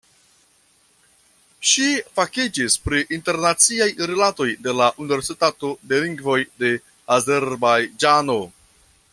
Ŝi fakiĝis pri Internaciaj Rilatoj de la Universitato de Lingvoj de Azerbajĝano.